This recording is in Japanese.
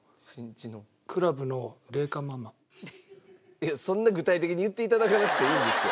いやそんな具体的に言って頂かなくていいんですよ。